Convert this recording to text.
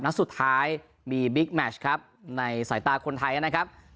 นัดสุดท้ายมีบิ๊กแมชครับในสายตาคนไทยนะครับ